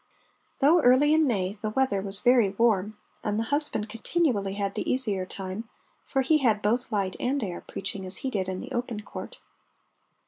Though early in May the weather was very warm, and the husband continually had the easier time for he had both light and air preaching as he did in the open court.